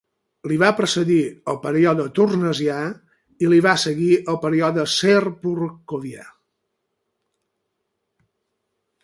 Li va precedir el període Tournaisià i li va seguir el període Serpukhovià.